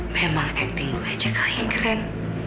memang akting gue aja kali yang keren